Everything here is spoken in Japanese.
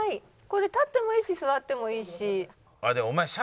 これ立ってもいいし座ってもいいし。